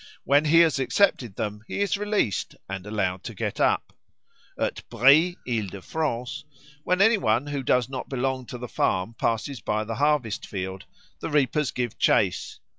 When he has accepted them, he is released and allowed to get up. At Brie, Isle de France, when any one who does not belong to the farm passes by the harvest field, the reapers give chase.